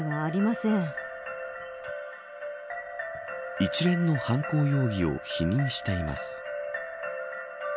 一連の犯行容疑を否認しています。